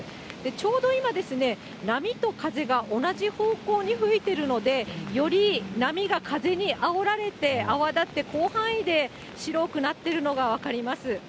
ちょうど今、波と風が同じ方向に吹いているので、より波が風にあおられて泡立って、広範囲で白くなっているのが分かります。